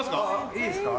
いいですか？